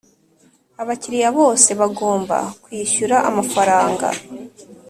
Abakiriya bose bagomba kwishyura amafaranga